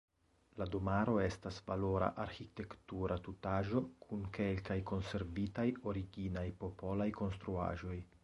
La domaro estas valora arĥitektura tutaĵo kun kelkaj konservitaj originaj popolaj konstruaĵoj.